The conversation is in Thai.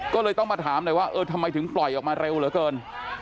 ก็เลยต้องมาถามหน่อยว่าเออทำไมถึงปล่อยออกมาเร็วเหลือเกิน